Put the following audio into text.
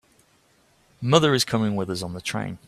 Mother is coming with us on the train.